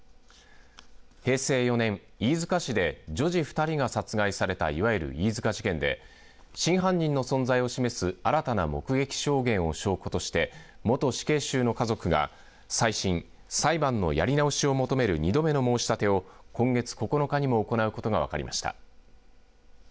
平成４年、飯塚市で女児２人が殺害されたいわゆる飯塚事件で真犯人の存在示す新たな目撃証言を証拠として、元死刑囚の家族が再審、裁判のやり直しを求める２度目の申し立てを今月９日にも行うことが分かりました。